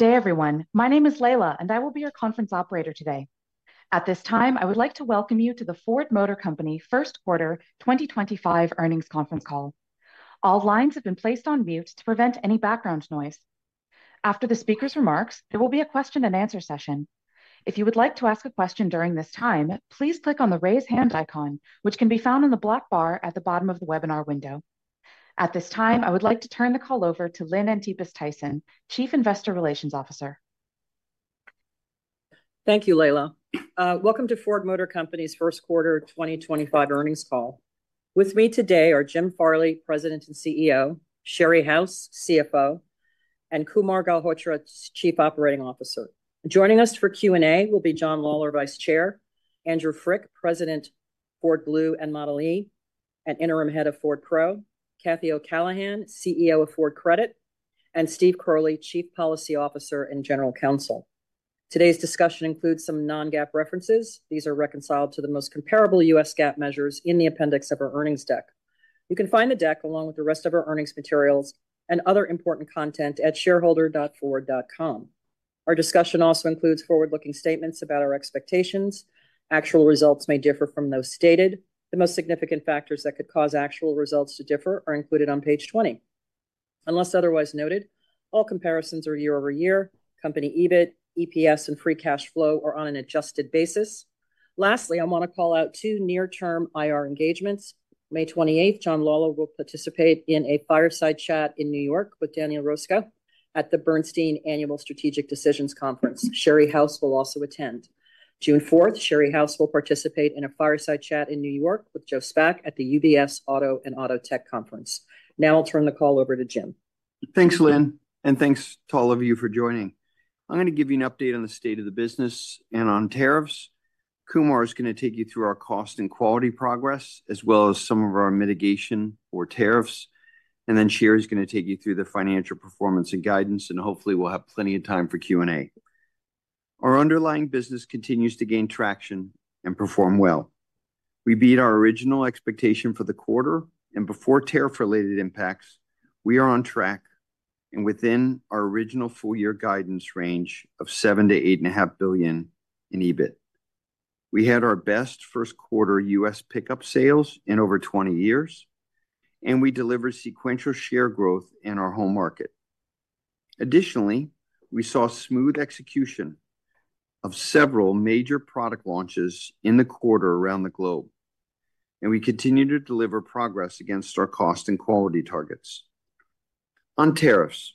Good day, everyone. My name is Leila, and I will be your conference operator today. At this time, I would like to welcome you to the Ford Motor Company First Quarter 2025 Earnings Conference Call. All lines have been placed on mute to prevent any background noise. After the speaker's remarks, there will be a question and answer session. If you would like to ask a question during this time, please click on the raise hand icon, which can be found on the black bar at the bottom of the webinar window. At this time, I would like to turn the call over to Lynn Antipas Tyson, Chief Investor Relations Officer. Thank you, Leila. Welcome to Ford Motor Company's First Quarter 2025 Earnings Call. With me today are Jim Farley, President and CEO, Sherry House, CFO, and Kumar Galhotra, Chief Operating Officer. Joining us for Q and A will be John Lawler, Vice Chair, Andrew Frick, President of Ford Blue and Ford Model e, and Interim Head of Ford Pro, Cathy O'Callaghan, CEO of Ford Credit, and Steven Croley, Chief Policy Officer and General Counsel. Today's discussion includes some non-GAAP references. These are reconciled to the most comparable U.S. GAAP measures in the appendix of our earnings deck. You can find the deck along with the rest of our earnings materials and other important content at shareholder.ford.com. Our discussion also includes forward-looking statements about our expectations. Actual results may differ from those stated. The most significant factors that could cause actual results to differ are included on page 20. Unless otherwise noted, all comparisons are year over year. Company EBIT, EPS, and free cash flow are on an adjusted basis. Lastly, I want to call out two near-term IR engagements. May 28th, John Lawler will participate in a fireside chat in New York with Daniel Roscoe at the Bernstein Annual Strategic Decisions Conference. Sherry House will also attend. June 4th, Sherry House will participate in a fireside chat in New York with Joseph Spak at the UBS Auto and Auto Tech Conference. Now I'll turn the call over to Jim. Thanks, Lynn, and thanks to all of you for joining. I'm going to give you an update on the state of the business and on tariffs. Kumar is going to take you through our cost and quality progress, as well as some of our mitigation for tariffs. Sherry is going to take you through the financial performance and guidance, and hopefully we'll have plenty of time for Q and A. Our underlying business continues to gain traction and perform well. We beat our original expectation for the quarter, and before tariff-related impacts, we are on track and within our original full-year guidance range of $7 billion to $8.5 billion in EBIT. We had our best first-quarter U.S. pickup sales in over 20 years, and we delivered sequential share growth in our home market. Additionally, we saw smooth execution of several major product launches in the quarter around the globe, and we continue to deliver progress against our cost and quality targets. On tariffs,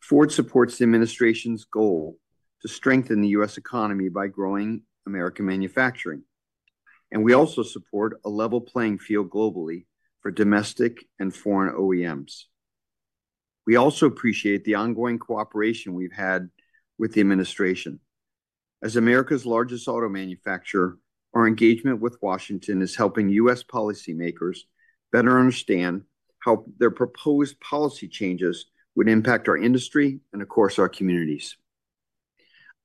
Ford supports the administration's goal to strengthen the U.S. economy by growing American manufacturing, and we also support a level playing field globally for domestic and foreign OEMs. We also appreciate the ongoing cooperation we've had with the administration. As America's largest auto manufacturer, our engagement with Washington is helping U.S. policymakers better understand how their proposed policy changes would impact our industry and, of course, our communities.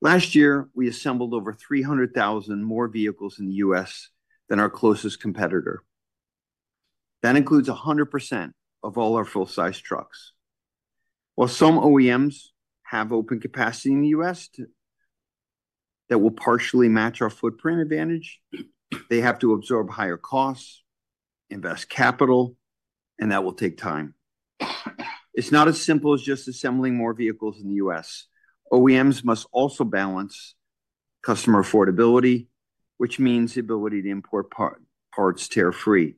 Last year, we assembled over 300,000 more vehicles in the U.S. than our closest competitor. That includes 100% of all our full-size trucks. While some OEMs have open capacity in the U.S. that will partially match our footprint advantage, they have to absorb higher costs, invest capital, and that will take time. It's not as simple as just assembling more vehicles in the U.S. OEMs must also balance customer affordability, which means the ability to import parts tariff-free.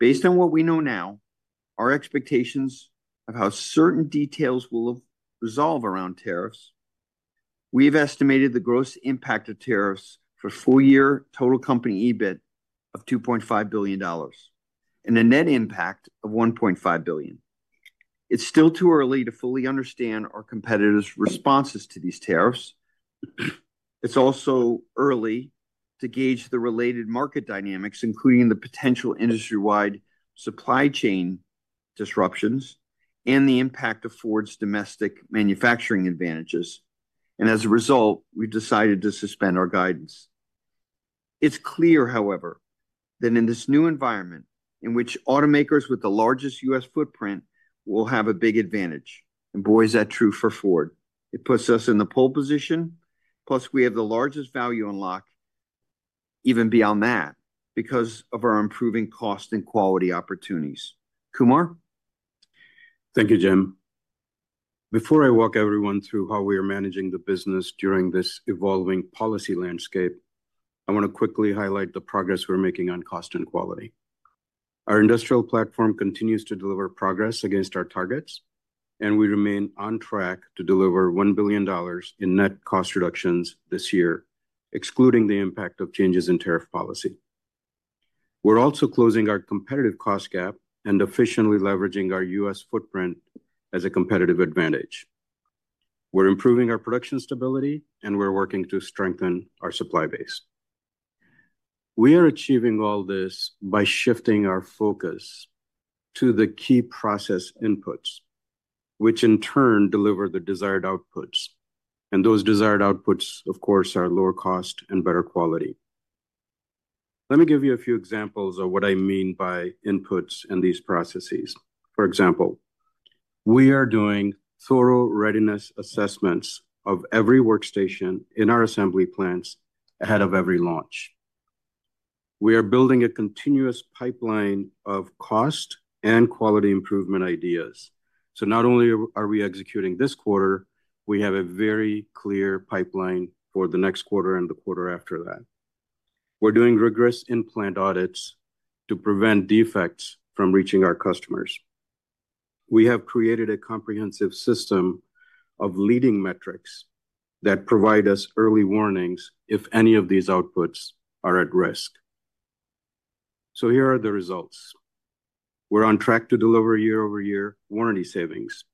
Based on what we know now, our expectations of how certain details will resolve around tariffs, we've estimated the gross impact of tariffs for full-year total company EBIT of $2.5 billion and a net impact of $1.5 billion. It's still too early to fully understand our competitors' responses to these tariffs. It's also early to gauge the related market dynamics, including the potential industry-wide supply chain disruptions and the impact of Ford's domestic manufacturing advantages. As a result, we've decided to suspend our guidance. It's clear, however, that in this new environment in which automakers with the largest U.S. footprint will have a big advantage. And boy, is that true for Ford. It puts us in the pole position. Plus, we have the largest value unlock even beyond that because of our improving cost and quality opportunities. Kumar? Thank you, Jim. Before I walk everyone through how we are managing the business during this evolving policy landscape, I want to quickly highlight the progress we're making on cost and quality. Our industrial platform continues to deliver progress against our targets, and we remain on track to deliver $1 billion in net cost reductions this year, excluding the impact of changes in tariff policy. We're also closing our competitive cost gap and efficiently leveraging our U.S. footprint as a competitive advantage. We're improving our production stability, and we're working to strengthen our supply base. We are achieving all this by shifting our focus to the key process inputs, which in turn deliver the desired outputs. Those desired outputs, of course, are lower cost and better quality. Let me give you a few examples of what I mean by inputs and these processes. For example, we are doing thorough readiness assessments of every workstation in our assembly plants ahead of every launch. We are building a continuous pipeline of cost and quality improvement ideas. Not only are we executing this quarter, we have a very clear pipeline for the next quarter and the quarter after that. We are doing rigorous in-plant audits to prevent defects from reaching our customers. We have created a comprehensive system of leading metrics that provide us early warnings if any of these outputs are at risk. Here are the results. We are on track to deliver year over year warranty savings.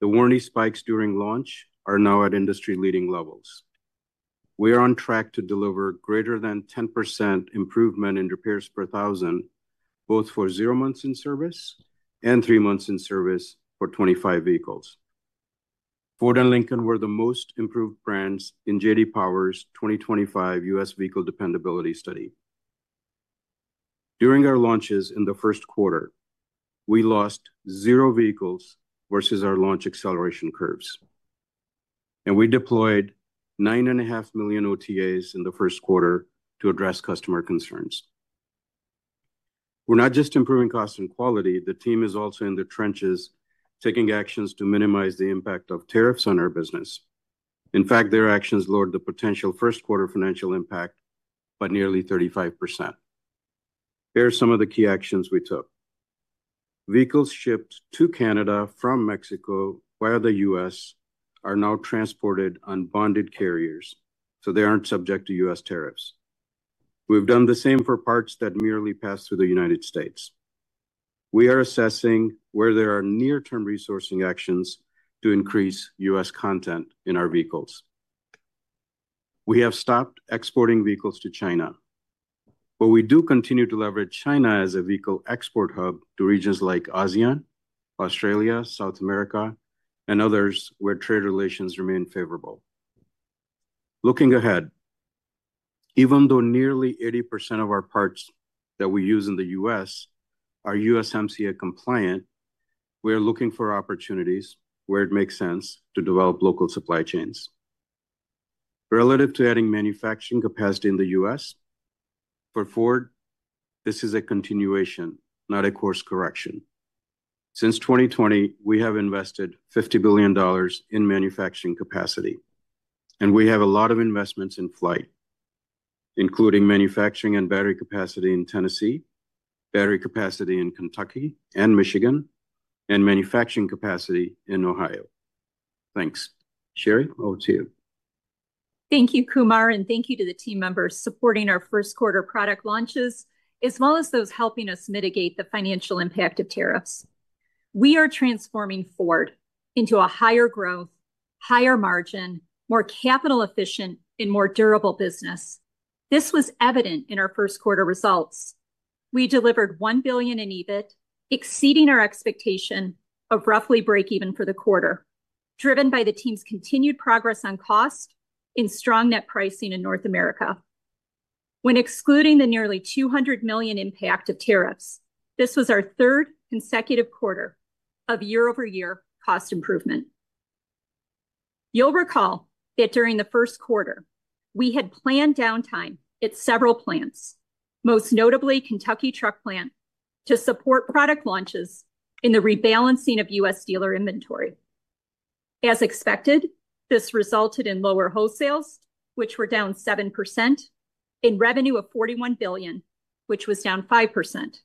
The warranty spikes during launch are now at industry-leading levels. We are on track to deliver greater than 10% improvement in repairs per thousand, both for zero months in service and three months in service for 25 vehicles. Ford and Lincoln were the most improved brands in J.D. Power's 2025 U.S. vehicle dependability study. During our launches in the first quarter, we lost zero vehicles versus our launch acceleration curves. We deployed 9.5 million OTAs in the first quarter to address customer concerns. We're not just improving cost and quality. The team is also in the trenches taking actions to minimize the impact of tariffs on our business. In fact, their actions lowered the potential first-quarter financial impact by nearly 35%. Here are some of the key actions we took. Vehicles shipped to Canada from Mexico via the U.S. are now transported on bonded carriers, so they aren't subject to U.S. tariffs. We've done the same for parts that merely pass through the United State. We are assessing where there are near-term resourcing actions to increase U.S. content in our vehicles. We have stopped exporting vehicles to China, but we do continue to leverage China as a vehicle export hub to regions like ASEAN, Australia, South America, and others where trade relations remain favorable. Looking ahead, even though nearly 80% of our parts that we use in the U.S. are USMCA compliant, we are looking for opportunities where it makes sense to develop local supply chains. Relative to adding manufacturing capacity in the U.S., for Ford, this is a continuation, not a course correction. Since 2020, we have invested $50 billion in manufacturing capacity, and we have a lot of investments in flight, including manufacturing and battery capacity in Tennessee, battery capacity in Kentucky and Michigan, and manufacturing capacity in Ohio. Thanks. Sherry, over to you. Thank you, Kumar, and thank you to the team members supporting our first-quarter product launches, as well as those helping us mitigate the financial impact of tariffs. We are transforming Ford into a higher-growth, higher-margin, more capital-efficient, and more durable business. This was evident in our first-quarter results. We delivered $1 billion in EBIT, exceeding our expectation of roughly break-even for the quarter, driven by the team's continued progress on cost and strong net pricing in North America. When excluding the nearly $200 million impact of tariffs, this was our third consecutive quarter of year over year cost improvement. You'll recall that during the first quarter, we had planned downtime at several plants, most notably Kentucky Truck Plant, to support product launches in the rebalancing of U.S. dealer inventory. As expected, this resulted in lower wholesales, which were down 7%, and revenue of $41 billion, which was down 5%.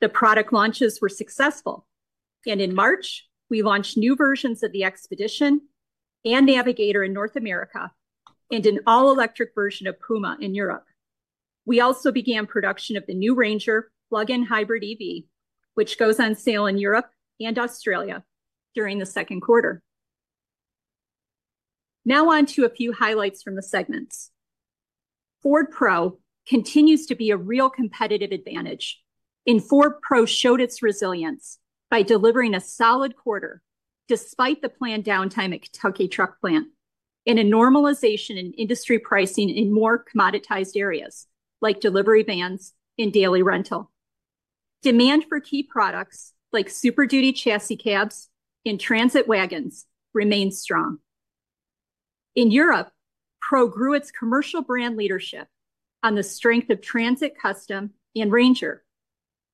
The product launches were successful, and in March, we launched new versions of the Expedition and Navigator in North America and an all-electric version of Puma in Europe. We also began production of the new Ranger PHEV, which goes on sale in Europe and Australia during the second quarter. Now on to a few highlights from the segments. Ford Pro continues to be a real competitive advantage, and Ford Pro showed its resilience by delivering a solid quarter despite the planned downtime at Kentucky Truck Plant and a normalization in industry pricing in more commoditized areas like delivery vans and daily rental. Demand for key products likeSuper Duty Chassis Cabs and Transit Wagons remained strong. In Europe, Pro grew its commercial brand leadership on the strength of Transit Custom and Ranger.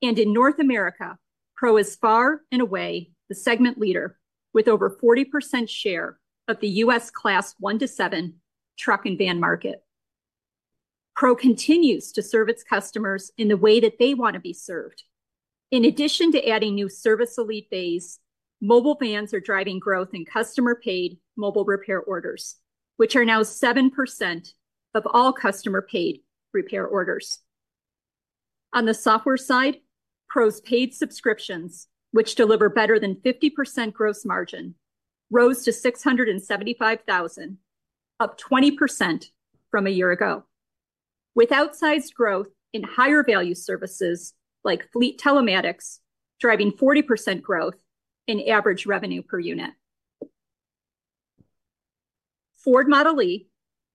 In North America, Pro is far and away the segment leader with over 40% share of the U.S. Class 1 to 7 truck and van market. Pro continues to serve its customers in the way that they want to be served. In addition to adding new service elite bays, mobile vans are driving growth in customer-paid mobile repair orders, which are now 7% of all customer-paid repair orders. On the software side, Pro's paid subscriptions, which deliver better than 50% gross margin, rose to $675,000, up 20% from a year ago, with outsized growth in higher-value services like fleet telematics driving 40% growth in average revenue per unit. Ford Model e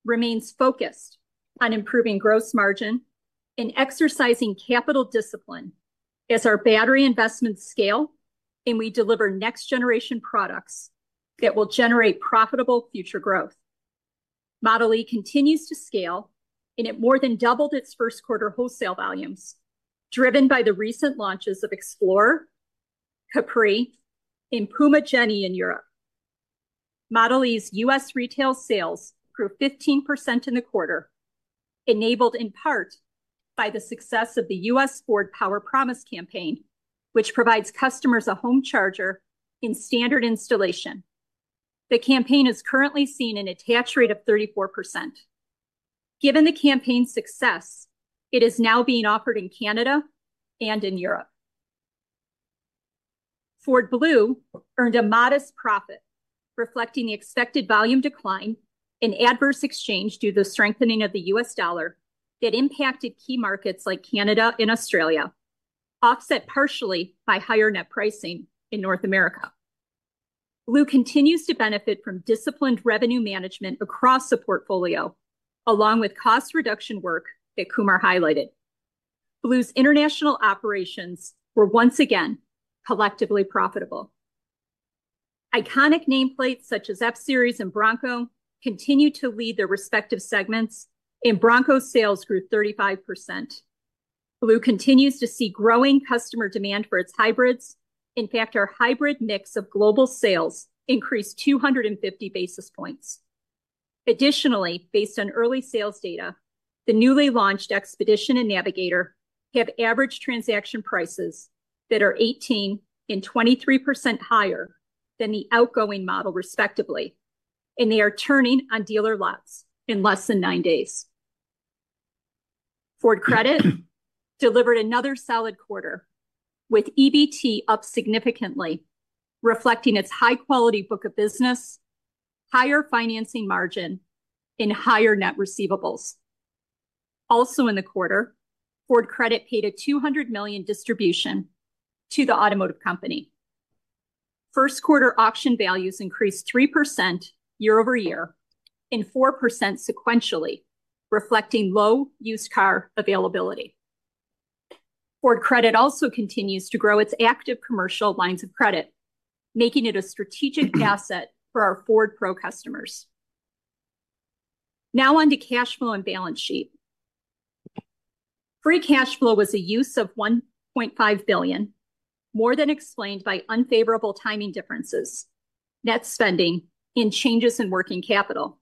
remains focused on improving gross margin and exercising capital discipline as our battery investments scale, and we deliver next-generation products that will generate profitable future growth. Model e continues to scale, and it more than doubled its first-quarter wholesale volumes, driven by the recent launches of Explorer, Capri, and Puma in Europe. Model e's U.S. retail sales grew 15% in the quarter, enabled in part by the success of the U.S. Ford Power Promise campaign, which provides customers a home charger and standard installation. The campaign is currently seeing an attach rate of 34%. Given the campaign's success, it is now being offered in Canada and in Europe. Ford Blue earned a modest profit, reflecting the expected volume decline and adverse exchange due to the strengthening of the U.S. dollar that impacted key markets like Canada and Australia, offset partially by higher net pricing in North America. Blue continues to benefit from disciplined revenue management across the portfolio, along with cost reduction work that Kumar highlighted. Blue's international operations were once again collectively profitable. Iconic nameplates such as F-Series and Bronco continue to lead their respective segments, and Bronco sales grew 35%. Blue continues to see growing customer demand for its hybrids. In fact, our hybrid mix of global sales increased 250 basis points. Additionally, based on early sales data, the newly launched Expedition and Navigator have average transaction prices that are 18% and 23% higher than the outgoing model, respectively, and they are turning on dealer lots in less than nine days. Ford Credit delivered another solid quarter, with EBT up significantly, reflecting its high-quality book of business, higher financing margin, and higher net receivables. Also in the quarter, Ford Credit paid a $200 million distribution to the automotive company. First-quarter auction values increased 3% year over year and 4% sequentially, reflecting low used car availability. Ford Credit also continues to grow its active commercial lines of credit, making it a strategic asset for our Ford Pro customers. Now on to cash flow and balance sheet. Free cash flow was a use of $1.5 billion, more than explained by unfavorable timing differences, net spending, and changes in working capital.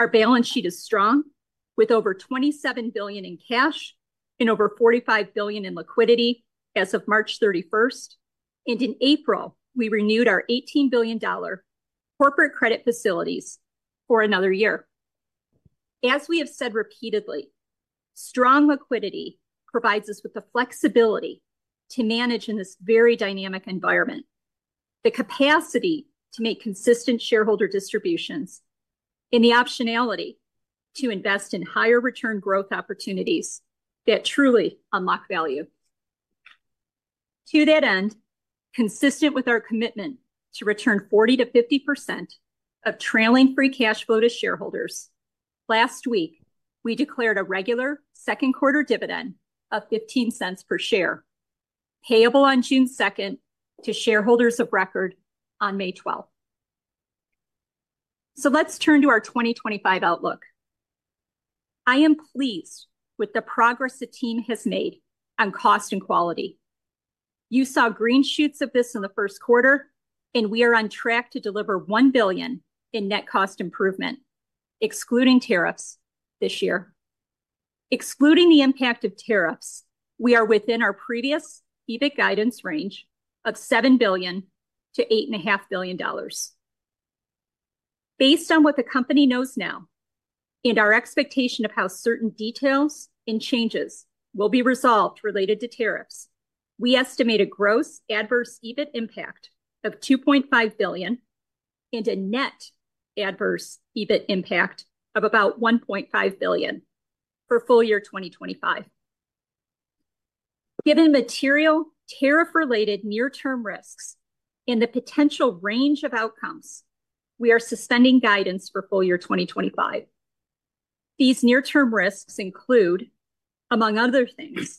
Our balance sheet is strong, with over $27 billion in cash and over $45 billion in liquidity as of March 31. In April, we renewed our $18 billion corporate credit facilities for another year. As we have said repeatedly, strong liquidity provides us with the flexibility to manage in this very dynamic environment, the capacity to make consistent shareholder distributions, and the optionality to invest in higher return growth opportunities that truly unlock value. To that end, consistent with our commitment to return 40% to 50% of trailing free cash flow to shareholders, last week, we declared a regular second-quarter dividend of $0.15 per share, payable on June 2nd to shareholders of record on May 12th. Let's turn to our 2025 outlook. I am pleased with the progress the team has made on cost and quality. You saw green shoots of this in the first quarter, and we are on track to deliver $1 billion in net cost improvement, excluding tariffs, this year. Excluding the impact of tariffs, we are within our previous EBIT guidance range of $7 billion to $8.5 billion. Based on what the company knows now and our expectation of how certain details and changes will be resolved related to tariffs, we estimate a gross adverse EBIT impact of $2.5 billion and a net adverse EBIT impact of about $1.5 billion for full year 2025. Given material tariff-related near-term risks and the potential range of outcomes, we are suspending guidance for full year 2025. These near-term risks include, among other things,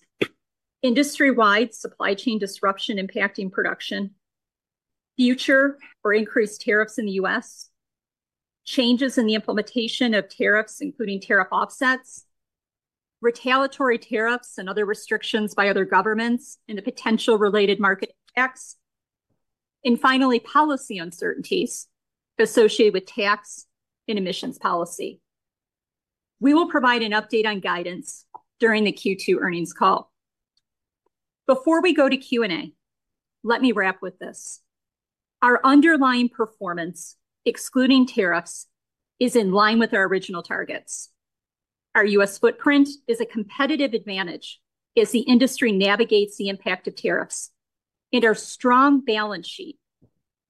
industry-wide supply chain disruption impacting production, future or increased tariffs in the U.S., changes in the implementation of tariffs, including tariff offsets, retaliatory tariffs and other restrictions by other governments, and the potential related market effects, and finally, policy uncertainties associated with tax and emissions policy. We will provide an update on guidance during the Q2 earnings call. Before we go to Q and A, let me wrap with this. Our underlying performance, excluding tariffs, is in line with our original targets. Our U.S. footprint is a competitive advantage as the industry navigates the impact of tariffs, and our strong balance sheet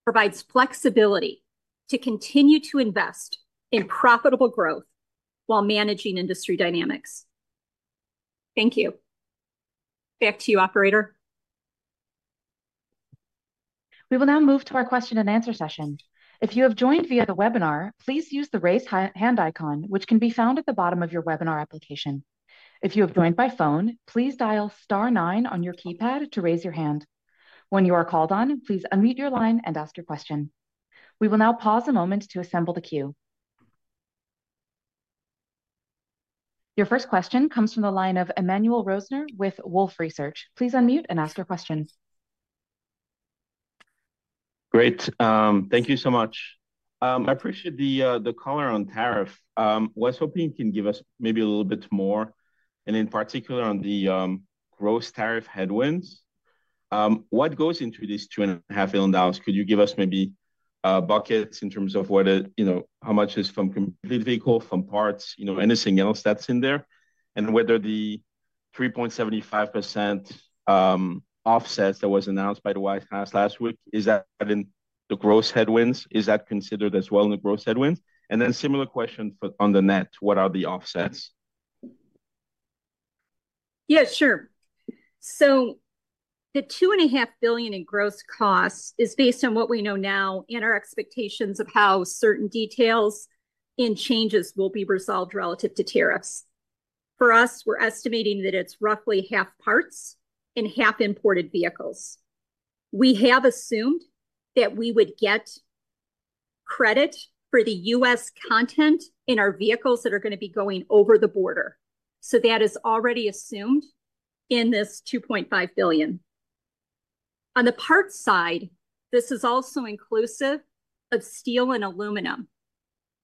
provides flexibility to continue to invest in profitable growth while managing industry dynamics. Thank you. Back to you, Operator. We will now move to our question and answer session. If you have joined via the webinar, please use the raise hand icon, which can be found at the bottom of your webinar application. If you have joined by phone, please dial star nine on your keypad to raise your hand. When you are called on, please unmute your line and ask your question. We will now pause a moment to assemble the queue. Your first question comes from the line of Emmanuel Rosner with Wolfe Research. Please unmute and ask your question. Great. Thank you so much. I appreciate the color on tariff. I was hoping you can give us maybe a little bit more, and in particular on the gross tariff headwinds. What goes into these $2.5 billion? Could you give us maybe buckets in terms of how much is from complete vehicle, from parts, anything else that's in there, and whether the 3.75% offsets that were announced by the White House last week, is that in the gross headwinds? Is that considered as well in the gross headwinds? Similar question on the net, what are the offsets? Yes, sure. The $2.5 billion in gross costs is based on what we know now and our expectations of how certain details and changes will be resolved relative to tariffs. For us, we're estimating that it's roughly half parts and half imported vehicles. We have assumed that we would get credit for the U.S. content in our vehicles that are going to be going over the border. That is already assumed in this $2.5 billion. On the parts side, this is also inclusive of steel and aluminum.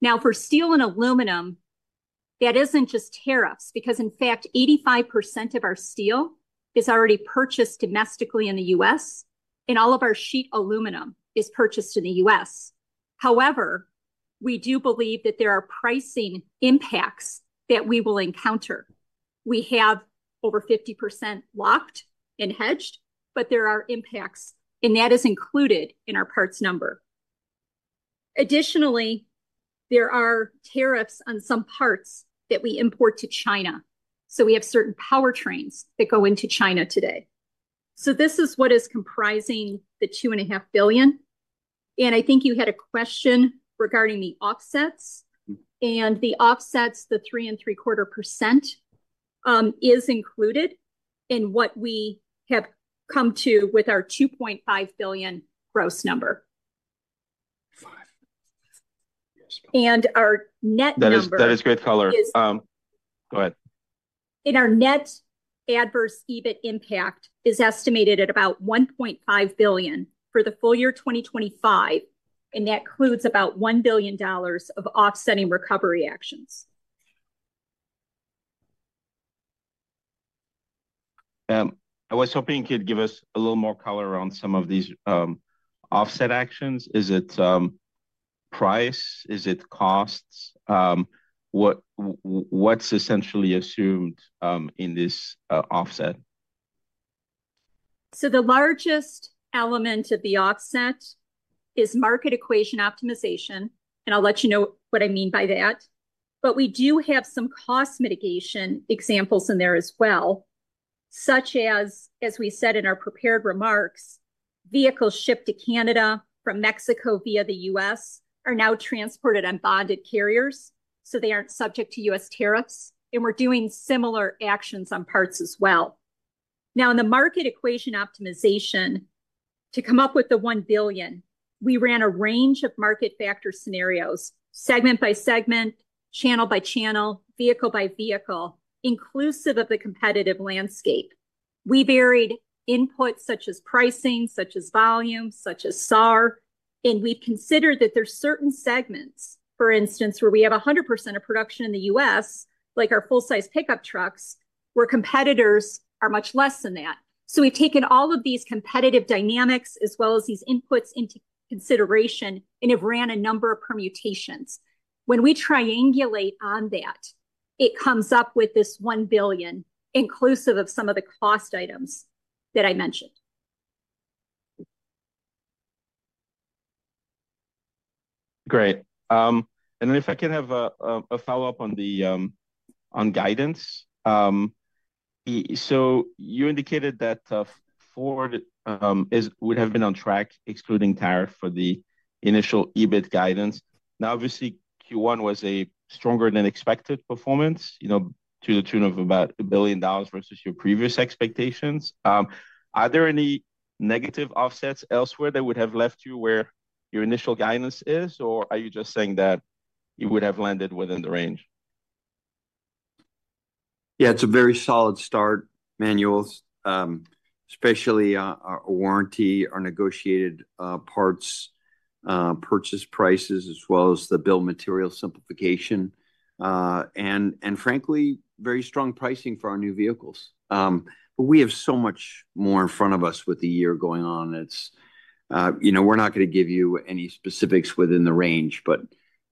Now, for steel and aluminum, that isn't just tariffs because, in fact, 85% of our steel is already purchased domestically in the U.S., and all of our sheet aluminum is purchased in the U.S. However, we do believe that there are pricing impacts that we will encounter. We have over 50% locked and hedged, but there are impacts, and that is included in our parts number. Additionally, there are tariffs on some parts that we import to China. We have certain powertrains that go into China today. This is what is comprising the $2.5 billion. I think you had a question regarding the offsets, and the offsets, the 3% and 3/4%, is included in what we have come to with our $2.5 billion gross number. And our net number. That is great color. Go ahead. Our net adverse EBIT impact is estimated at about $1.5 billion for the full year 2025, and that includes about $1 billion of offsetting recovery actions. I was hoping you could give us a little more color around some of these offset actions. Is it price? Is it costs? What's essentially assumed in this offset? The largest element of the offset is market equation optimization, and I'll let you know what I mean by that. We do have some cost mitigation examples in there as well, such as, as we said in our prepared remarks, vehicles shipped to Canada from Mexico via the U.S. are now transported on bonded carriers, so they aren't subject to U.S. tariffs, and we're doing similar actions on parts as well. Now, in the market equation optimization, to come up with the $1 billion, we ran a range of market factor scenarios, segment by segment, channel by channel, vehicle by vehicle, inclusive of the competitive landscape. We varied inputs such as pricing, such as volume, such as SAR, and we've considered that there are certain segments, for instance, where we have 100% of production in the U.S., like our full-size pickup trucks, where competitors are much less than that. We have taken all of these competitive dynamics as well as these inputs into consideration and have ran a number of permutations. When we triangulate on that, it comes up with this $1 billion, inclusive of some of the cost items that I mentioned. Great. If I can have a follow-up on guidance. You indicated that Ford would have been on track excluding tariff for the initial EBIT guidance. Now, obviously, Q1 was a stronger-than-expected performance to the tune of about $1 billion versus your previous expectations. Are there any negative offsets elsewhere that would have left you where your initial guidance is, or are you just saying that you would have landed within the range? Yeah, it's a very solid start, Emmanuel, especially our warranty, our negotiated parts, purchase prices, as well as the build material simplification, and frankly, very strong pricing for our new vehicles. We have so much more in front of us with the year going on. We're not going to give you any specifics within the range, but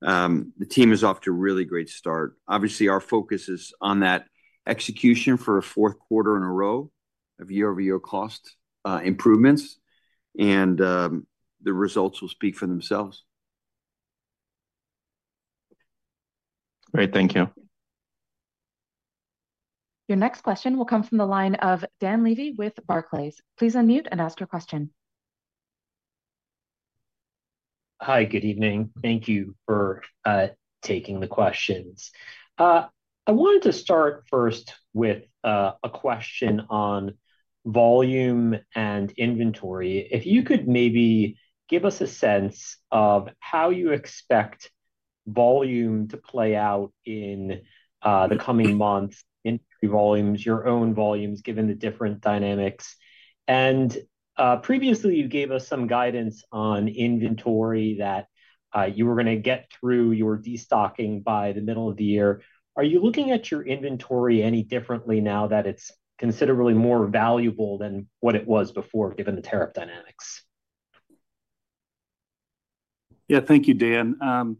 the team is off to a really great start. Obviously, our focus is on that execution for a fourth quarter in a row of year over year cost improvements, and the results will speak for themselves. Great. Thank you. Your next question will come from the line of Dan Levy with Barclays. Please unmute and ask your question. Hi, good evening. Thank you for taking the questions. I wanted to start first with a question on volume and inventory. If you could maybe give us a sense of how you expect volume to play out in the coming months, inventory volumes, your own volumes, given the different dynamics. Previously, you gave us some guidance on inventory that you were going to get through your destocking by the middle of the year. Are you looking at your inventory any differently now that it's considerably more valuable than what it was before, given the tariff dynamics? Yeah, thank you, Dan.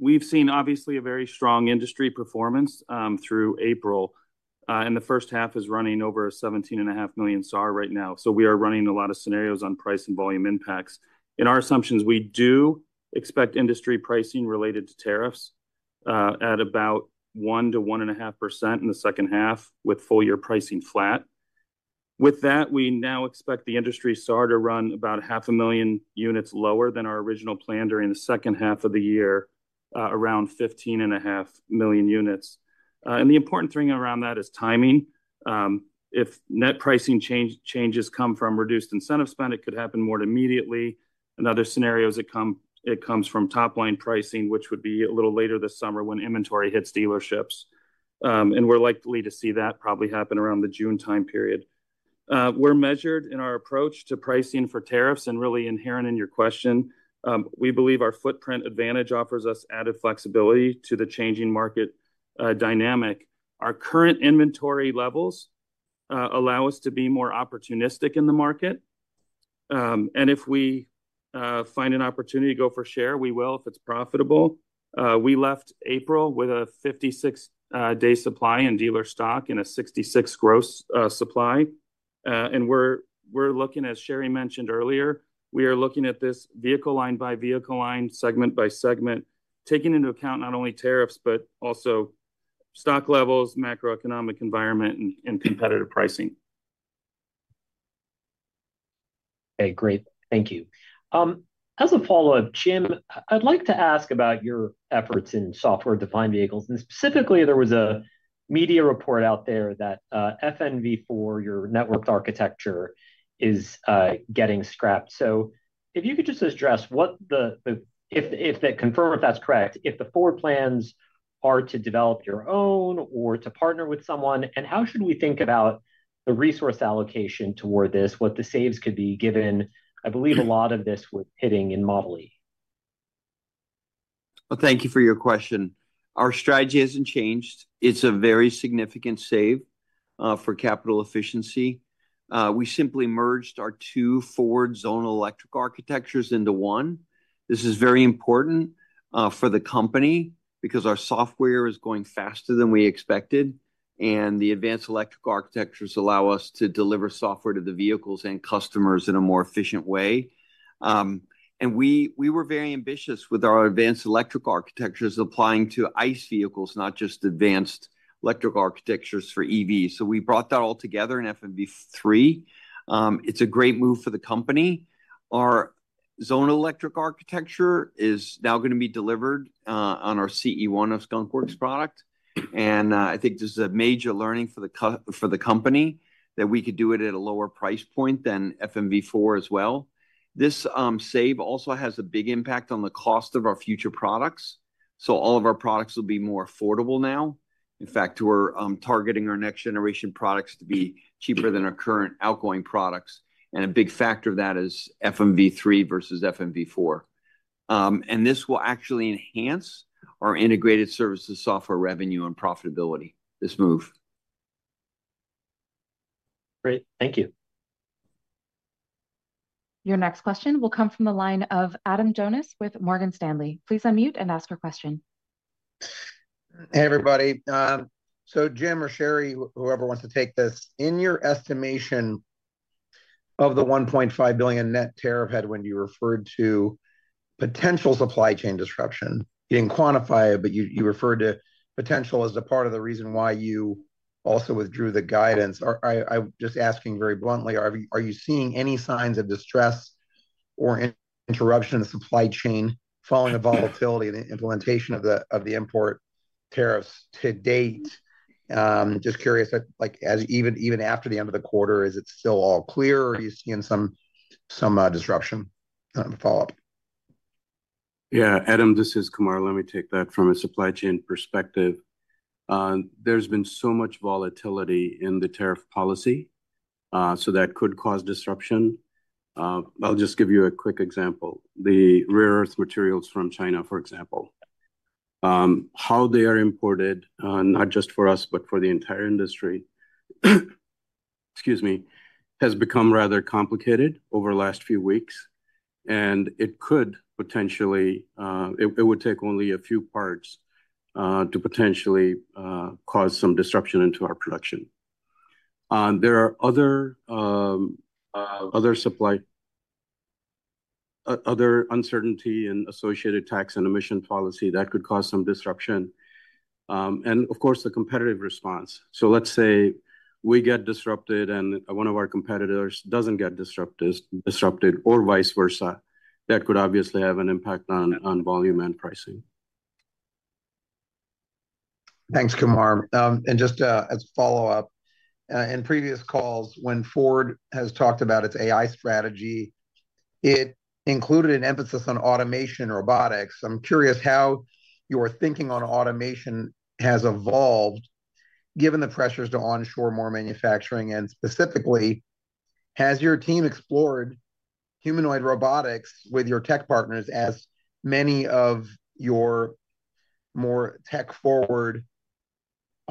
We've seen, obviously, a very strong industry performance through April, and the first half is running over a $17.5 million SAR right now. We are running a lot of scenarios on price and volume impacts. In our assumptions, we do expect industry pricing related to tariffs at about 1% to 1.5% in the second half, with full year pricing flat. With that, we now expect the industry SAR to run about 500,000 units lower than our original plan during the second half of the year, around 15.5 million units. The important thing around that is timing. If net pricing changes come from reduced incentive spend, it could happen more immediately. In other scenarios, it comes from top-line pricing, which would be a little later this summer when inventory hits dealerships. We're likely to see that probably happen around the June time period. We're measured in our approach to pricing for tariffs and really inherent in your question. We believe our footprint advantage offers us added flexibility to the changing market dynamic. Our current inventory levels allow us to be more opportunistic in the market. If we find an opportunity to go for share, we will if it's profitable. We left April with a 56-day supply in dealer stock and a 66 gross supply. As Sherry mentioned earlier, we are looking at this vehicle line by vehicle line, segment by segment, taking into account not only tariffs, but also stock levels, macroeconomic environment, and competitive pricing. Okay. Great. Thank you. As a follow-up, Jim, I'd like to ask about your efforts in software-defined vehicles. Specifically, there was a media report out there that FNV4, your network architecture, is getting scrapped. If you could just address what the—if that confirms that's correct—if the Ford plans are to develop your own or to partner with someone, and how should we think about the resource allocation toward this, what the saves could be given? I believe a lot of this was hitting in Model e. Thank you for your question. Our strategy hasn't changed. It's a very significant save for capital efficiency. We simply merged our two Ford Zone Electric architectures into one. This is very important for the company because our software is going faster than we expected, and the advanced electric architectures allow us to deliver software to the vehicles and customers in a more efficient way. We were very ambitious with our advanced electric architectures applying to ICE vehicles, not just advanced electric architectures for EVs. We brought that all together in FNV3. It's a great move for the company. Our Zone Electric architecture is now going to be delivered on our CE1 of Skunk Works product. I think this is a major learning for the company that we could do it at a lower price point than FNV4 as well. This save also has a big impact on the cost of our future products. All of our products will be more affordable now. In fact, we're targeting our next-generation products to be cheaper than our current outgoing products. A big factor of that is FNV3 versus FNV4. This will actually enhance our integrated services software revenue and profitability, this move. Great. Thank you. Your next question will come from the line of Adam Jonas with Morgan Stanley. Please unmute and ask your question. Hey, everybody. Jim, or Sherry, whoever wants to take this, in your estimation of the $1.5 billion net tariff headwind, you referred to potential supply chain disruption. You didn't quantify it, but you referred to potential as a part of the reason why you also withdrew the guidance. I'm just asking very bluntly, are you seeing any signs of distress or interruption in the supply chain following the volatility and the implementation of the import tariffs to date? Just curious, even after the end of the quarter, is it still all clear, or are you seeing some disruption? Follow-up. Yeah. Adam, this is Kumar. Let me take that from a supply chain perspective. There's been so much volatility in the tariff policy, that could cause disruption. I'll just give you a quick example. The rare earth materials from China, for example, how they are imported, not just for us, but for the entire industry, excuse me, has become rather complicated over the last few weeks. It could potentially—it would take only a few parts to potentially cause some disruption into our production. There are other supply, other uncertainty and associated tax and emission policy that could cause some disruption. Of course, the competitive response. Let's say we get disrupted and one of our competitors doesn't get disrupted or vice versa, that could obviously have an impact on volume and pricing. Thanks, Kumar. Just as a follow-up, in previous calls, when Ford has talked about its AI strategy, it included an emphasis on automation robotics. I'm curious how your thinking on automation has evolved given the pressures to onshore more manufacturing. Specifically, has your team explored humanoid robotics with your tech partners as many of your more tech-forward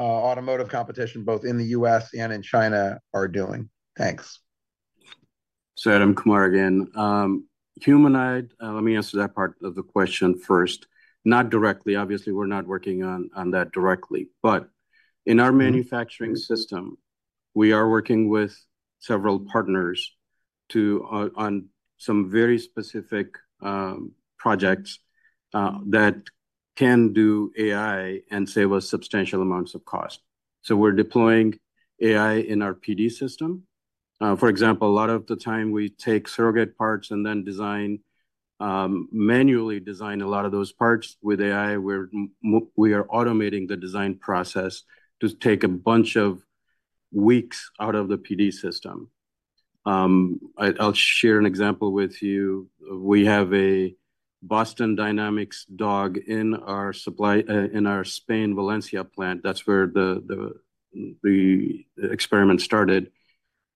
automotive competition, both in the U.S. and in China, are doing? Thanks. Adam, Kumar again. Humanoid, let me answer that part of the question first. Not directly. Obviously, we're not working on that directly. In our manufacturing system, we are working with several partners on some very specific projects that can do AI and save us substantial amounts of cost. We're deploying AI in our PD system. For example, a lot of the time we take surrogate parts and then manually design a lot of those parts with AI. We are automating the design process to take a bunch of weeks out of the PD system. I'll share an example with you. We have a Boston Dynamics dog in our Spain, Valencia plant. That's where the experiment started.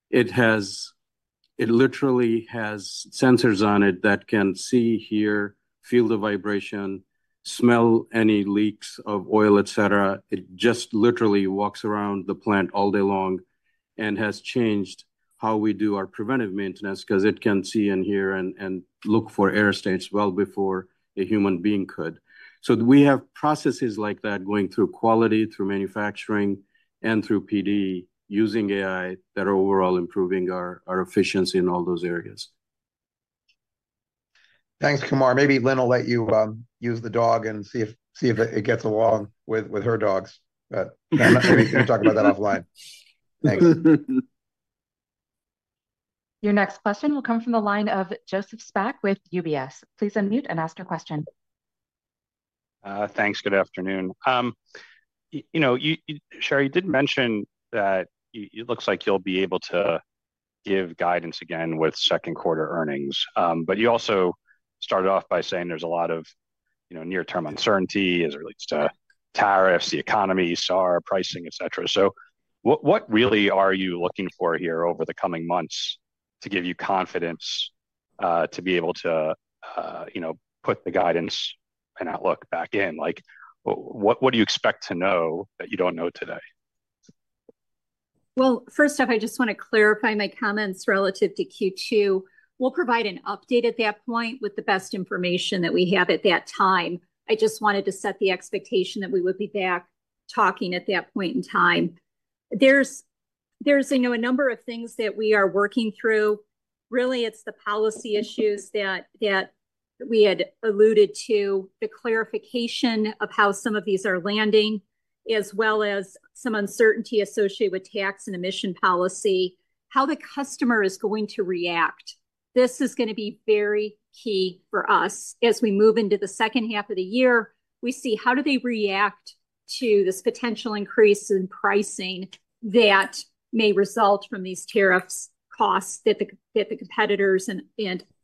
It literally has sensors on it that can see, hear, feel the vibration, smell any leaks of oil, etc. It just literally walks around the plant all day long and has changed how we do our preventive maintenance because it can see and hear and look for error states well before a human being could. We have processes like that going through quality, through manufacturing, and through PD using AI that are overall improving our efficiency in all those areas. Thanks, Kumar. Maybe Lynn will let you use the dog and see if it gets along with her dogs. I am not going to talk about that offline. Thanks. Your next question will come from the line of Joseph Spak with UBS. Please unmute and ask your question. Thanks. Good afternoon. Sherry, you did mention that it looks like you'll be able to give guidance again with second quarter earnings. You also started off by saying there's a lot of near-term uncertainty as it relates to tariffs, the economy, SAR, pricing, etc. What really are you looking for here over the coming months to give you confidence to be able to put the guidance and outlook back in? What do you expect to know that you don't know today? First off, I just want to clarify my comments relative to Q2. We'll provide an update at that point with the best information that we have at that time. I just wanted to set the expectation that we would be back talking at that point in time. There's a number of things that we are working through. Really, it's the policy issues that we had alluded to, the clarification of how some of these are landing, as well as some uncertainty associated with tax and emission policy, how the customer is going to react. This is going to be very key for us. As we move into the second half of the year, we see how do they react to this potential increase in pricing that may result from these tariffs costs that the competitors and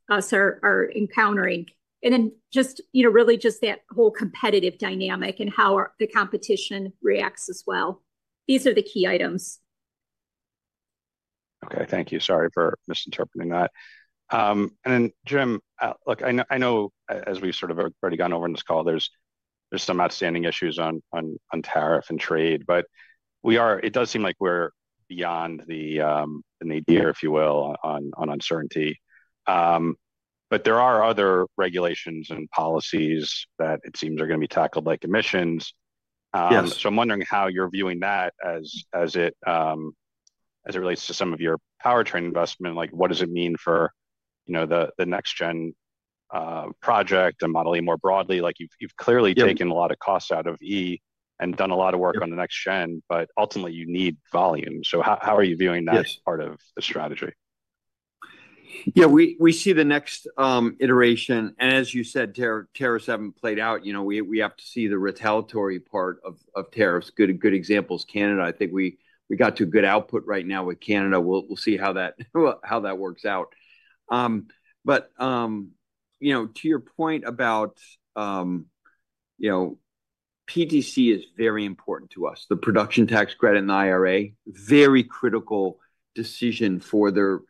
us are encountering. Really just that whole competitive dynamic and how the competition reacts as well. These are the key items. Okay. Thank you. Sorry for misinterpreting that. Jim, I know as we've sort of already gone over in this call, there's some outstanding issues on tariff and trade. It does seem like we're beyond the nadir, if you will, on uncertainty. There are other regulations and policies that it seems are going to be tackled, like emissions. Yes. I'm wondering how you're viewing that as it relates to some of your powertrain investment. What does it mean for the next-gen project and Model e more broadly? You've clearly taken a lot of costs out of e and done a lot of work on the next gen, but ultimately, you need volume. How are you viewing that as part of the strategy? Yeah. We see the next iteration. As you said, tariffs haven't played out. We have to see the retaliatory part of tariffs. Good example is Canada. I think we got too good output right now with Canada. We'll see how that works out. To your point about PTC, it is very important to us, the production tax credit and the IRA, very critical decision for their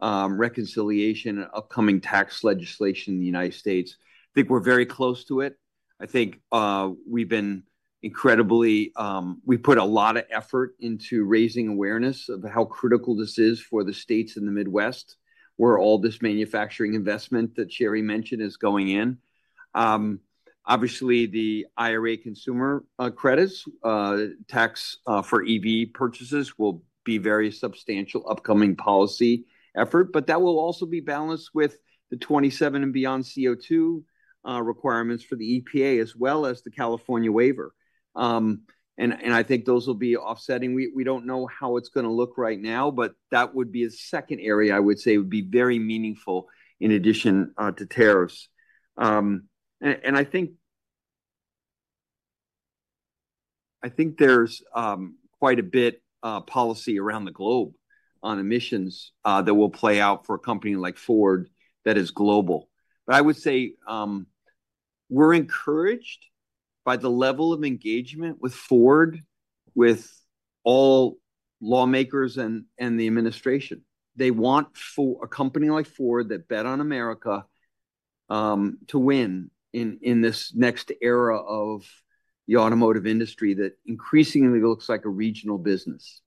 reconciliation and upcoming tax legislation in the United States. I think we're very close to it. I think we've been incredibly—we've put a lot of effort into raising awareness of how critical this is for the states in the Midwest, where all this manufacturing investment that Sherry mentioned is going in. Obviously, the IRA consumer credits, tax for EV purchases, will be very substantial upcoming policy effort. That will also be balanced with the 2027 and beyond CO2 requirements for the EPA, as well as the California waiver. I think those will be offsetting. We do not know how it is going to look right now, but that would be a second area I would say would be very meaningful in addition to tariffs. I think there is quite a bit of policy around the globe on emissions that will play out for a company like Ford that is global. I would say we are encouraged by the level of engagement with Ford, with all lawmakers and the administration. They want a company like Ford that bet on America to win in this next era of the automotive industry that increasingly looks like a regional business.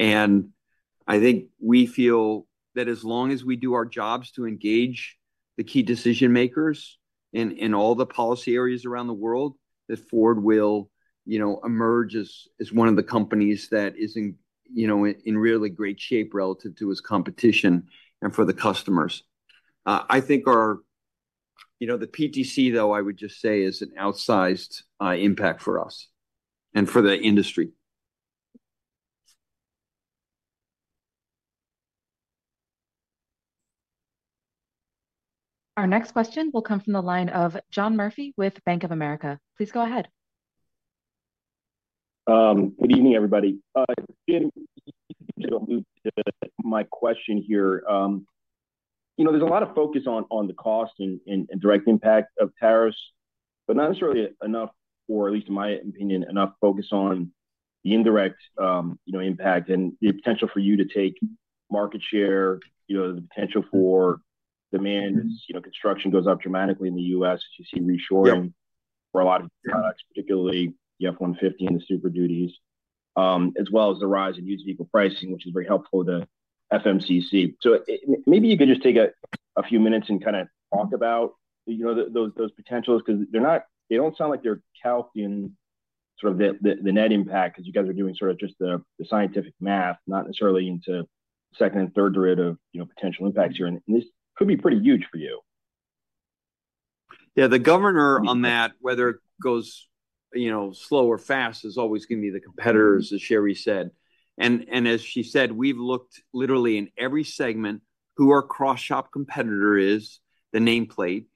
I think we feel that as long as we do our jobs to engage the key decision-makers in all the policy areas around the world, that Ford will emerge as one of the companies that is in really great shape relative to its competition and for the customers. I think the PTC, though, I would just say, is an outsized impact for us and for the industry. Our next question will come from the line of John Murphy with Bank of America. Please go ahead. Good evening, everybody. If you don't move to my question here, there's a lot of focus on the cost and direct impact of tariffs, but not necessarily enough, or at least in my opinion, enough focus on the indirect impact and the potential for you to take market share, the potential for demand as construction goes up dramatically in the U.S., as you see reshoring for a lot of products, particularly the F-150 and the Super Duty, as well as the rise in used vehicle pricing, which is very helpful to FMCC. Maybe you could just take a few minutes and kind of talk about those potentials because they don't sound like they're calcing sort of the net impact because you guys are doing sort of just the scientific math, not necessarily into second and third derivative potential impacts here. This could be pretty huge for you. Yeah. The governor on that, whether it goes slow or fast, is always going to be the competitors, as Sherry said. As she said, we've looked literally in every segment who our cross-shop competitor is, the nameplate,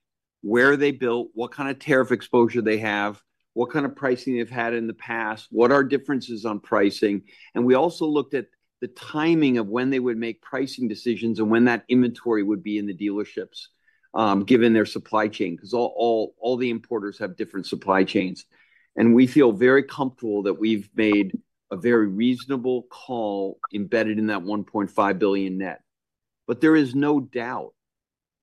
where they built, what kind of tariff exposure they have, what kind of pricing they've had in the past, what are differences on pricing. We also looked at the timing of when they would make pricing decisions and when that inventory would be in the dealerships, given their supply chain, because all the importers have different supply chains. We feel very comfortable that we've made a very reasonable call embedded in that $1.5 billion net. There is no doubt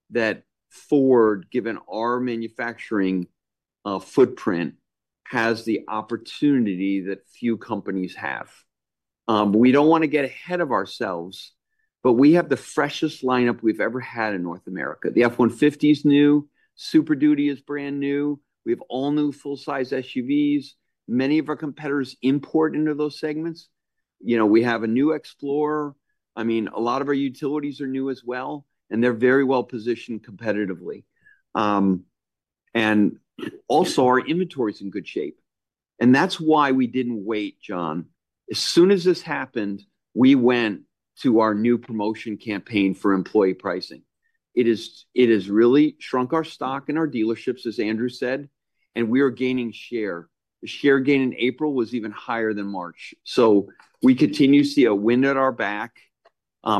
that Ford, given our manufacturing footprint, has the opportunity that few companies have. We don't want to get ahead of ourselves, but we have the freshest lineup we've ever had in North America. The F-150 is new. Super Duty is brand new. We have all new full-size SUVs. Many of our competitors import into those segments. We have a new Explorer. I mean, a lot of our utilities are new as well, and they're very well positioned competitively. Also, our inventory is in good shape. That's why we didn't wait, John. As soon as this happened, we went to our new promotion campaign for employee pricing. It has really shrunk our stock in our dealerships, as Andrew said, and we are gaining share. The share gain in April was even higher than March. We continue to see a wind at our back.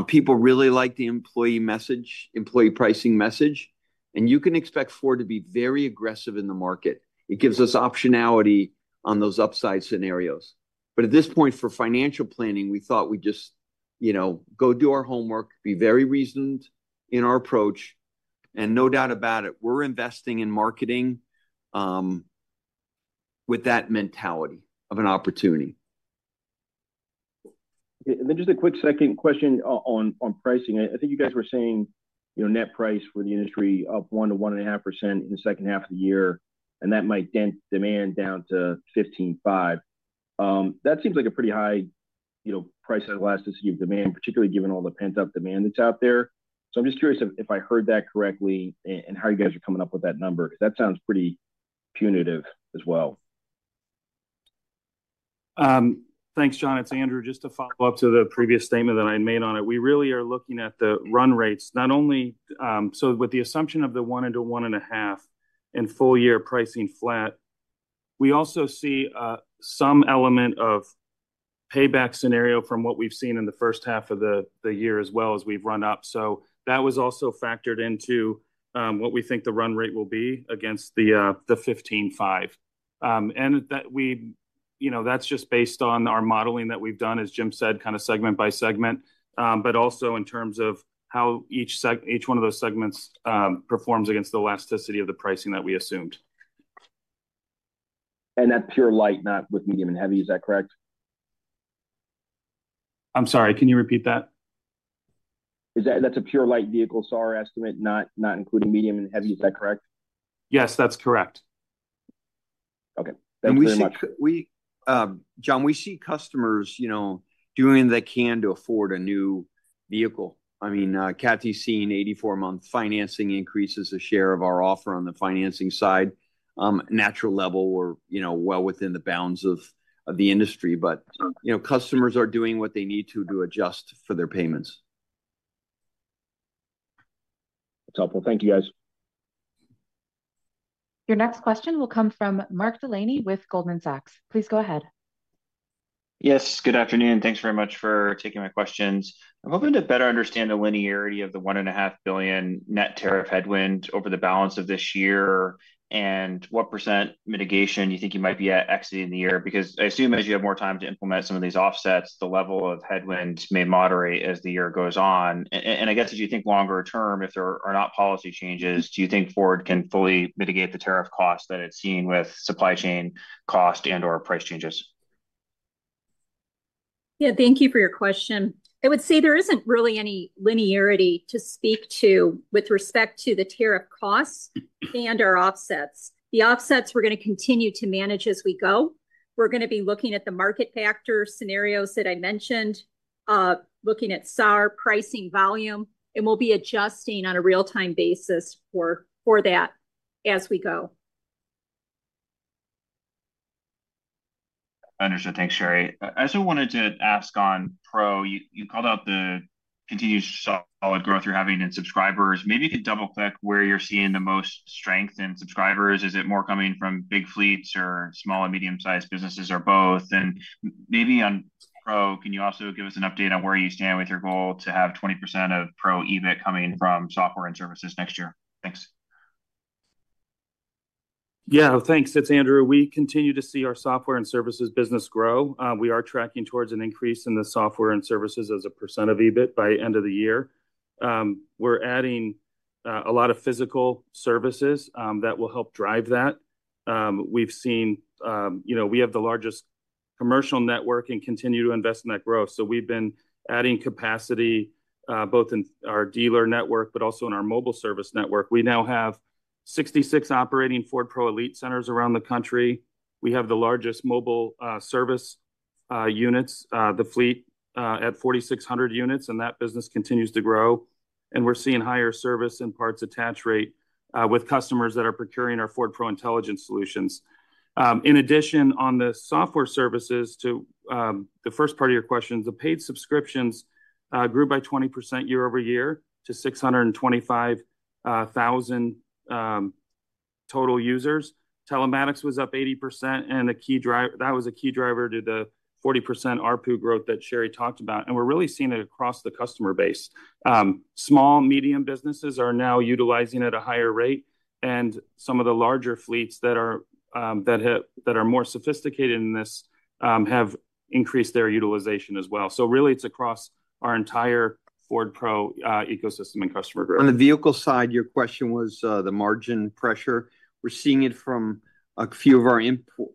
People really like the employee message, employee pricing message. You can expect Ford to be very aggressive in the market. It gives us optionality on those upside scenarios. At this point, for financial planning, we thought we'd just go do our homework, be very reasoned in our approach. No doubt about it, we're investing in marketing with that mentality of an opportunity. Just a quick second question on pricing. I think you guys were saying net price for the industry up 1% to 1.5% in the second half of the year, and that might dent demand down to 15.5. That seems like a pretty high price elasticity of demand, particularly given all the pent-up demand that's out there. I'm just curious if I heard that correctly and how you guys are coming up with that number because that sounds pretty punitive as well. Thanks, John. It's Andrew, just to follow up to the previous statement that I made on it. We really are looking at the run rates. Not only so with the assumption of the 1 % to 1.5 and full-year pricing flat, we also see some element of payback scenario from what we've seen in the first half of the year as well as we've run up. That was also factored into what we think the run rate will be against the 15.5. That's just based on our modeling that we've done, as Jim said, kind of segment by segment, but also in terms of how each one of those segments performs against the elasticity of the pricing that we assumed. That's pure light, not with medium and heavy, is that correct? I'm sorry. Can you repeat that? That's a pure light vehicle, SAR estimate, not including medium and heavy, is that correct? Yes, that's correct. Okay. Thanks very much. John, we see customers doing what they can to afford a new vehicle. I mean, Cathy's seen 84-month financing increases the share of our offer on the financing side. Natural level or well within the bounds of the industry. Customers are doing what they need to to adjust for their payments. That's helpful. Thank you, guys. Your next question will come from Mark Delaney with Goldman Sachs. Please go ahead. Yes. Good afternoon. Thanks very much for taking my questions. I'm hoping to better understand the linearity of the $1.5 billion net tariff headwind over the balance of this year and what % mitigation you think you might be at exiting the year because I assume as you have more time to implement some of these offsets, the level of headwinds may moderate as the year goes on. I guess, do you think longer term, if there are not policy changes, do you think Ford can fully mitigate the tariff costs that it's seeing with supply chain cost and/or price changes? Yeah. Thank you for your question. I would say there isn't really any linearity to speak to with respect to the tariff costs and our offsets. The offsets we're going to continue to manage as we go. We're going to be looking at the market factor scenarios that I mentioned, looking at SAR pricing volume, and we'll be adjusting on a real-time basis for that as we go. Understood. Thanks, Sherry. I also wanted to ask on Pro, you called out the continued solid growth you're having in subscribers. Maybe you could double-click where you're seeing the most strength in subscribers. Is it more coming from big fleets or small and medium-sized businesses or both? Maybe on Pro, can you also give us an update on where you stand with your goal to have 20% of Pro EBIT coming from software and services next year? Thanks. Yeah. Thanks. It's Andrew. We continue to see our software and services business grow. We are tracking towards an increase in the software and services as a % of EBIT by end of the year. We're adding a lot of physical services that will help drive that. We've seen we have the largest commercial network and continue to invest in that growth. We have been adding capacity both in our dealer network, but also in our mobile service network. We now have 66 operating Ford Pro Elite centers around the country. We have the largest mobile service units, the fleet at 4,600 units, and that business continues to grow. We're seeing higher service and parts attach rate with customers that are procuring our Ford Pro Intelligence solutions. In addition, on the software services, to the first part of your question, the paid subscriptions grew by 20% year over year to 625,000 total users. Telematics was up 80%, and that was a key driver to the 40% ARPU growth that Sherry talked about. We are really seeing it across the customer base. Small, medium businesses are now utilizing at a higher rate, and some of the larger fleets that are more sophisticated in this have increased their utilization as well. It is really across our entire Ford Pro ecosystem and customer growth. On the vehicle side, your question was the margin pressure. We're seeing it from a few of our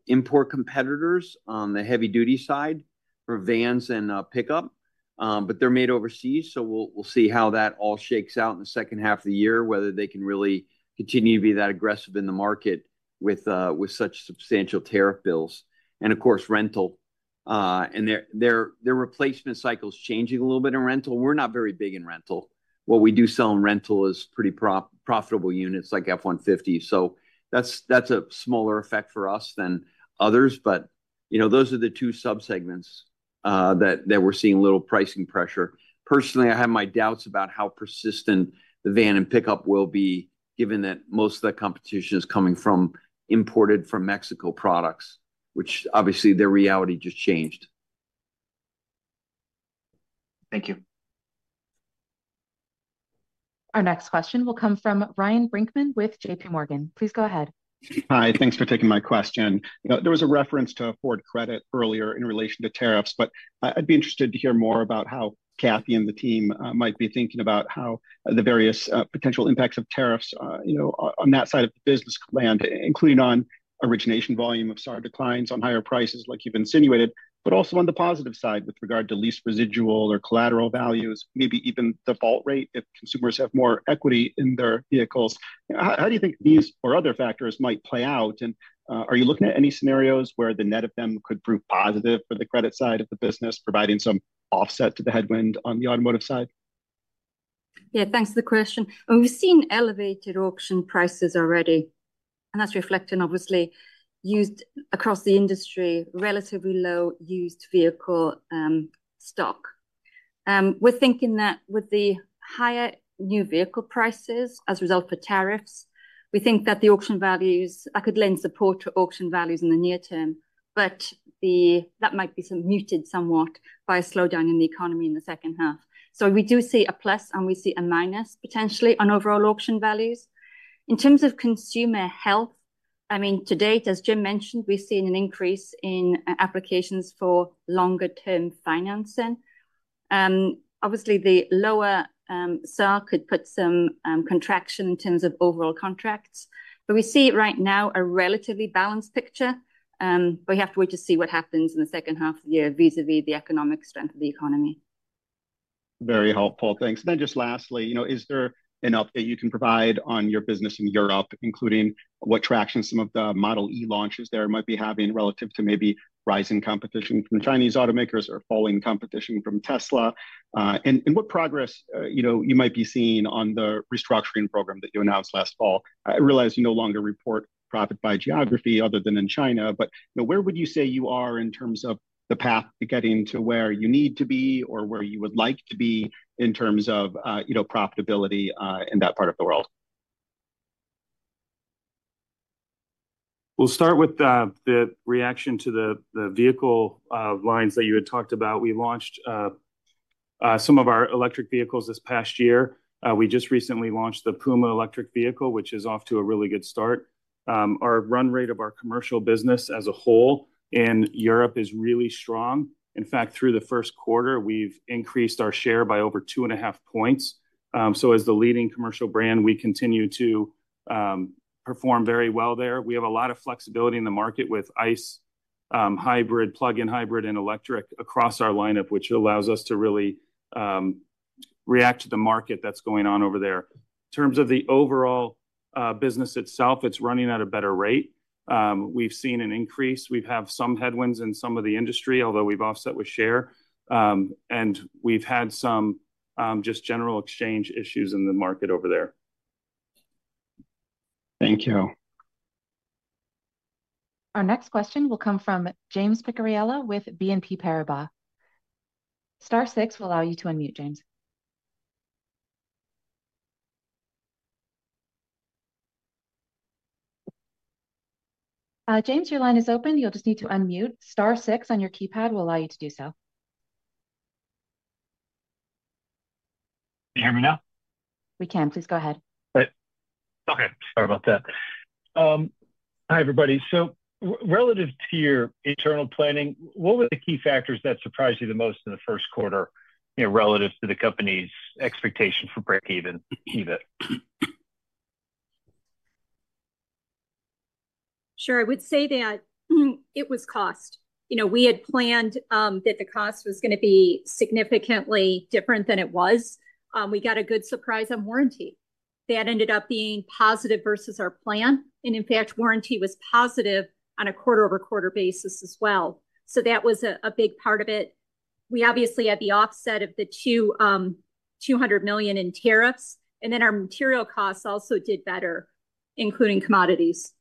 import competitors on the heavy-duty side for vans and pickup, but they're made overseas. We'll see how that all shakes out in the second half of the year, whether they can really continue to be that aggressive in the market with such substantial tariff bills. Of course, rental. Their replacement cycle is changing a little bit in rental. We're not very big in rental. What we do sell in rental is pretty profitable units like F-150. That's a smaller effect for us than others. Those are the two subsegments that we're seeing a little pricing pressure. Personally, I have my doubts about how persistent the van and pickup will be, given that most of the competition is coming from imported from Mexico products, which obviously their reality just changed. Thank you. Our next question will come from Ryan Brinkman with JPMorgan. Please go ahead. Hi. Thanks for taking my question. There was a reference to Ford Credit earlier in relation to tariffs, but I'd be interested to hear more about how Cathy and the team might be thinking about how the various potential impacts of tariffs on that side of the business land, including on origination volume if SAR declines on higher prices, like you've insinuated, but also on the positive side with regard to lease residual or collateral values, maybe even default rate if consumers have more equity in their vehicles. How do you think these or other factors might play out? Are you looking at any scenarios where the net of them could prove positive for the credit side of the business, providing some offset to the headwind on the automotive side? Yeah. Thanks for the question. We've seen elevated auction prices already, and that's reflecting, obviously, used across the industry, relatively low used vehicle stock. We're thinking that with the higher new vehicle prices as a result of tariffs, we think that the auction values that could lend support to auction values in the near term, that might be muted somewhat by a slowdown in the economy in the second half. We do see a plus, and we see a minus potentially on overall auction values. In terms of consumer health, I mean, to date, as Jim mentioned, we've seen an increase in applications for longer-term financing. Obviously, the lower SAR could put some contraction in terms of overall contracts. We see right now a relatively balanced picture. We have to wait to see what happens in the second half of the year vis-à-vis the economic strength of the economy. Very helpful. Thanks. Lastly, is there an update you can provide on your business in Europe, including what traction some of the Model e launches there might be having relative to maybe rising competition from Chinese automakers or falling competition from Tesla? What progress might you be seeing on the restructuring program that you announced last fall? I realize you no longer report profit by geography other than in China, but where would you say you are in terms of the path to getting to where you need to be or where you would like to be in terms of profitability in that part of the world? We'll start with the reaction to the vehicle lines that you had talked about. We launched some of our electric vehicles this past year. We just recently launched the Puma electric vehicle, which is off to a really good start. Our run rate of our commercial business as a whole in Europe is really strong. In fact, through the first quarter, we've increased our share by over 2.5 percentage points. As the leading commercial brand, we continue to perform very well there. We have a lot of flexibility in the market with ICE, hybrid, plug-in hybrid, and electric across our lineup, which allows us to really react to the market that's going on over there. In terms of the overall business itself, it's running at a better rate. We've seen an increase. We have some headwinds in some of the industry, although we've offset with share. We've had some just general exchange issues in the market over there. Thank you. Our next question will come from James Picariello with BNP Paribas. Star six will allow you to unmute, James. James, your line is open. You'll just need to unmute. Star six on your keypad will allow you to do so. Can you hear me now? We can. Please go ahead. Okay. Sorry about that. Hi, everybody. Relative to your internal planning, what were the key factors that surprised you the most in the first quarter relative to the company's expectation for break-even EBIT? Sure. I would say that it was cost. We had planned that the cost was going to be significantly different than it was. We got a good surprise on warranty. That ended up being positive versus our plan. In fact, warranty was positive on a quarter-over-quarter basis as well. That was a big part of it. We obviously had the offset of the $200 million in tariffs, and then our material costs also did better, including commodities.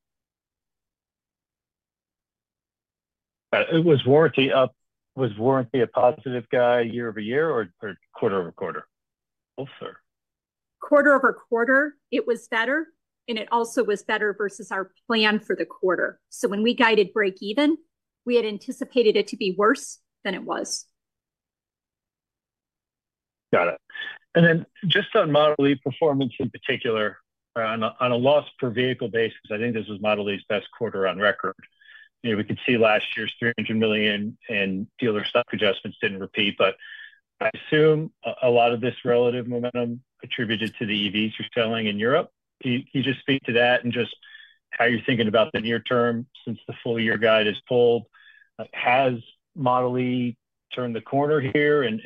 Was warranty a positive guy year over year or quarter over quarter? Both, sir. Quarter over quarter, it was better, and it also was better versus our plan for the quarter. When we guided break-even, we had anticipated it to be worse than it was. Got it. Then just on Model e performance in particular, on a loss per vehicle basis, I think this was Model e's best quarter on record. We could see last year's $300 million in dealer stock adjustments did not repeat, but I assume a lot of this relative momentum attributed to the EVs you're selling in Europe. Can you just speak to that and just how you're thinking about the near term since the full year guide is pulled? Has Model e turned the corner here, and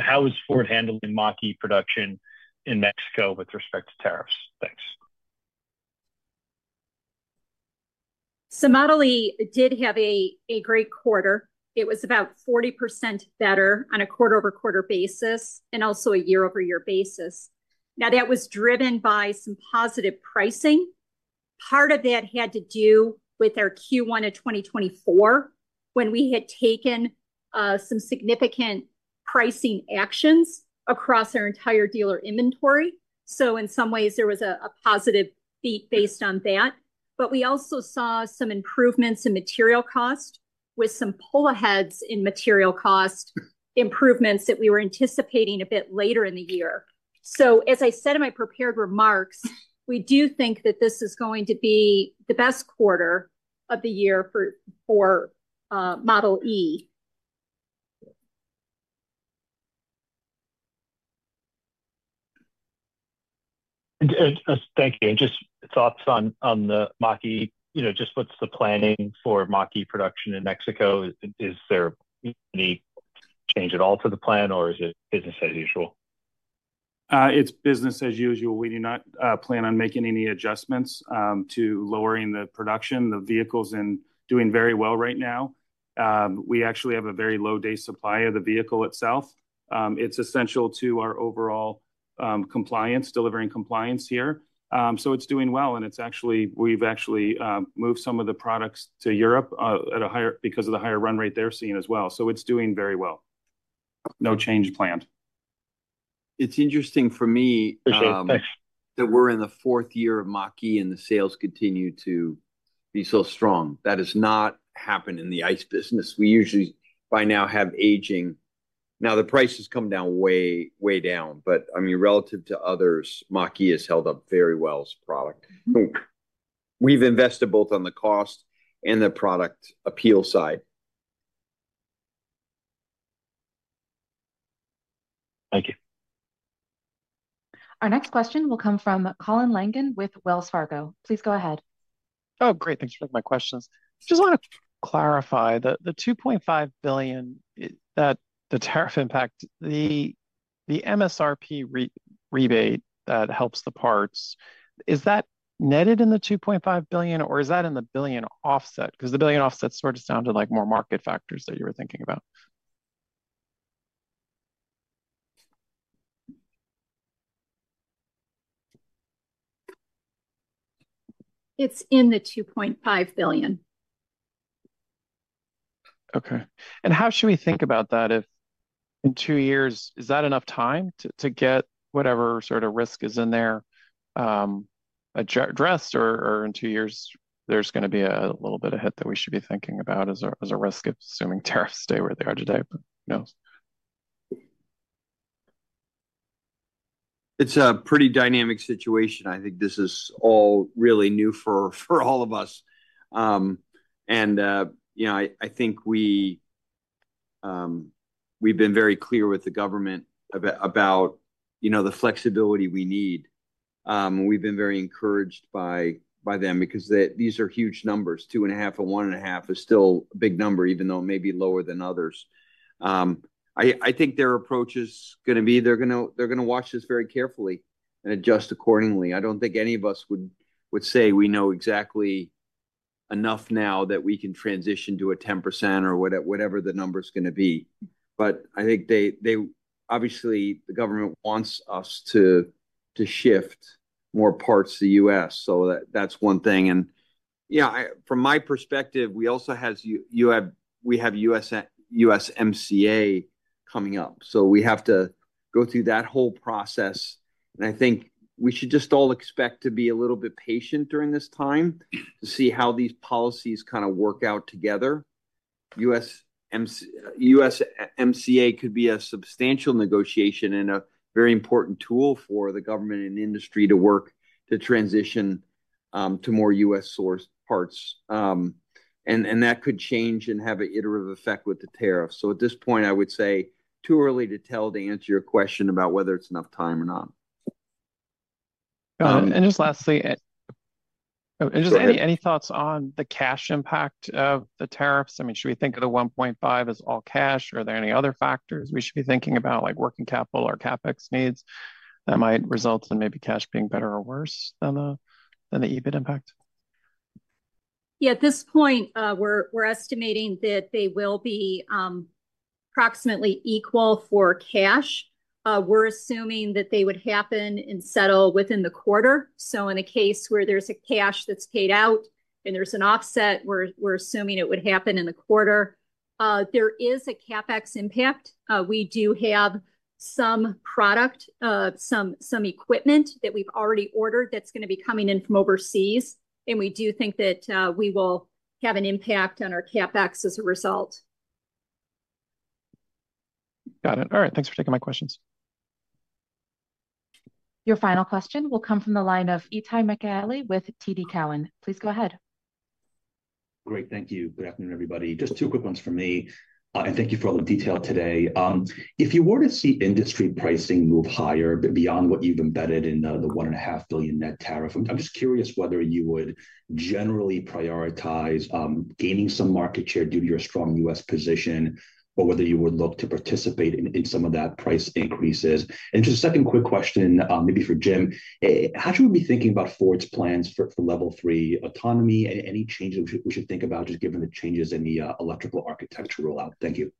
how is Ford handling Model e production in Mexico with respect to tariffs? Thanks. Model e did have a great quarter. It was about 40% better on a quarter-over-quarter basis and also a year over year basis. That was driven by some positive pricing. Part of that had to do with our Q1 of 2024 when we had taken some significant pricing actions across our entire dealer inventory. In some ways, there was a positive beat based on that. We also saw some improvements in material cost with some pull-aheads in material cost improvements that we were anticipating a bit later in the year. As I said in my prepared remarks, we do think that this is going to be the best quarter of the year for Model e. Thank you. Just thoughts on the Model e just what's the planning for Model e production in Mexico? Is there any change at all to the plan, or is it business as usual? It's business as usual. We do not plan on making any adjustments to lowering the production. The vehicle's doing very well right now. We actually have a very low-day supply of the vehicle itself. It's essential to our overall compliance, delivering compliance here. It's doing well, and we've actually moved some of the products to Europe because of the higher run rate they're seeing as well. It's doing very well. No change planned. It's interesting for me. Okay. Thanks. That we're in the fourth year of Model e and the sales continue to be so strong. That has not happened in the ICE business. We usually by now have aging. Now, the price has come down way down, but I mean, relative to others, Model e has held up very well as a product. We've invested both on the cost and the product appeal side. Thank you. Our next question will come from Colin Langan with Wells Fargo. Please go ahead. Oh, great. Thanks for my questions. Just want to clarify the $2.5 billion, the tariff impact, the MSRP rebate that helps the parts, is that netted in the $2.5 billion, or is that in the billion offset? Because the billion offset sort of sounded like more market factors that you were thinking about. It's in the $2.5 billion. Okay. How should we think about that if in two years, is that enough time to get whatever sort of risk is in there addressed, or in two years, there's going to be a little bit of hit that we should be thinking about as a risk of assuming tariffs stay where they are today? It's a pretty dynamic situation. I think this is all really new for all of us. I think we've been very clear with the government about the flexibility we need. We've been very encouraged by them because these are huge numbers. $2.5 billion and $1.5 billion is still a big number, even though it may be lower than others. I think their approach is going to be they are going to watch this very carefully and adjust accordingly. I do not think any of us would say we know exactly enough now that we can transition to a 10% or whatever the number is going to be. Obviously, the government wants us to shift more parts to the U.S. That is one thing. From my perspective, we have USMCA coming up. We have to go through that whole process. I think we should just all expect to be a little bit patient during this time to see how these policies kind of work out together. USMCA could be a substantial negotiation and a very important tool for the government and industry to work to transition to more U.S. sourced parts. That could change and have an iterative effect with the tariffs. At this point, I would say too early to tell to answer your question about whether it's enough time or not. Just lastly, just any thoughts on the cash impact of the tariffs? I mean, should we think of the $1.5 billion as all cash, or are there any other factors we should be thinking about, like working capital or CapEx needs that might result in maybe cash being better or worse than the EBIT impact? Yeah. At this point, we're estimating that they will be approximately equal for cash. We're assuming that they would happen and settle within the quarter. In a case where there's a cash that's paid out and there's an offset, we're assuming it would happen in the quarter. There is a CapEx impact. We do have some product, some equipment that we've already ordered that's going to be coming in from overseas. We do think that we will have an impact on our CapEx as a result. Got it. All right. Thanks for taking my questions. Your final question will come from the line of Itay Michaeli with TD Cowen. Please go ahead. Great. Thank you. Good afternoon, everybody. Just two quick ones for me. Thank you for all the detail today. If you were to see industry pricing move higher beyond what you've embedded in the $1.5 billion net tariff, I'm just curious whether you would generally prioritize gaining some market share due to your strong U.S. position or whether you would look to participate in some of that price increases. Just a second quick question, maybe for Jim, how should we be thinking about Ford's plans for level three autonomy and any changes we should think about just given the changes in the electrical architecture rollout? Thank you.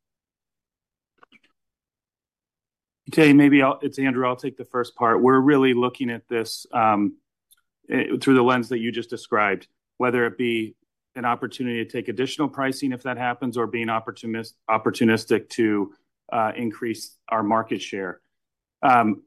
Jay, maybe it's Andrew. I'll take the first part. We're really looking at this through the lens that you just described, whether it be an opportunity to take additional pricing if that happens or be opportunistic to increase our market share.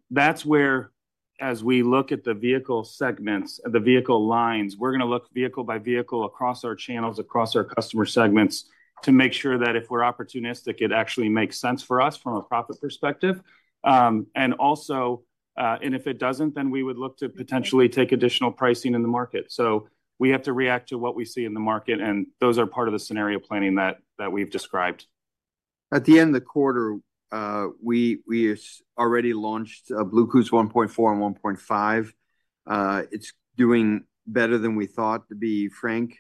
That's where, as we look at the vehicle segments and the vehicle lines, we're going to look vehicle by vehicle across our channels, across our customer segments to make sure that if we're opportunistic, it actually makes sense for us from a profit perspective. Also, if it doesn't, then we would look to potentially take additional pricing in the market. We have to react to what we see in the market, and those are part of the scenario planning that we've described. At the end of the quarter, we already launched Blue Cruise 1.4 and 1.5. It's doing better than we thought, to be frank.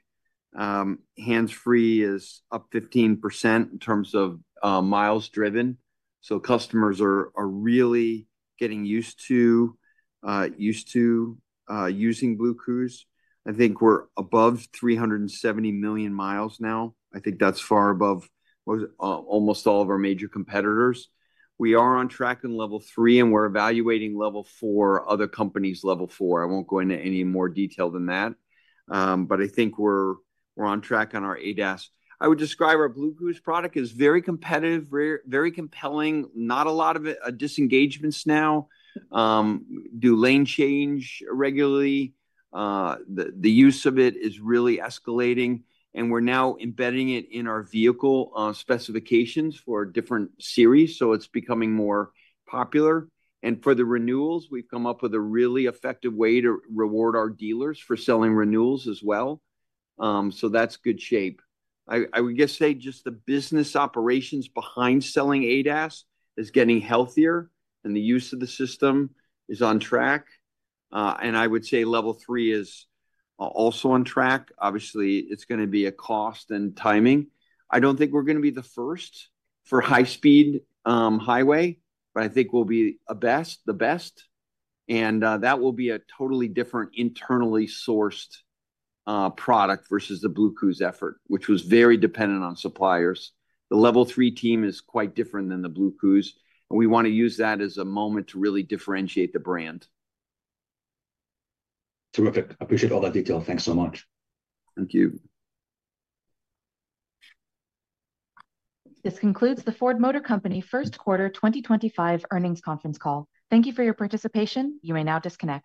Hands-free is up 15% in terms of miles driven. Customers are really getting used to using Blue Cruise. I think we're above 370 million miles now. I think that's far above almost all of our major competitors. We are on track in level three, and we're evaluating level four, other companies' level four. I won't go into any more detail than that. I think we're on track on our ADAS. I would describe our Blue Cruise product as very competitive, very compelling, not a lot of disengagements now. We do lane change regularly. The use of it is really escalating. We are now embedding it in our vehicle specifications for different series, so it's becoming more popular. For the renewals, we've come up with a really effective way to reward our dealers for selling renewals as well. That's good shape. I would just say just the business operations behind selling ADAS is getting healthier, and the use of the system is on track. I would say level three is also on track. Obviously, it's going to be a cost and timing. I don't think we're going to be the first for high-speed highway, but I think we'll be the best. That will be a totally different internally sourced product versus the Blue Cruise effort, which was very dependent on suppliers. The level three team is quite different than the Blue Cruise, and we want to use that as a moment to really differentiate the brand. Terrific. I appreciate all that detail. Thanks so much. Thank you. This concludes the Ford Motor Company First Quarter 2025 Earnings Conference Call. Thank you for your participation. You may now disconnect.